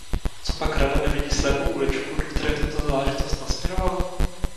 Copak Rada nevidí slepou uličku, do které tuto záležitost nasměrovala?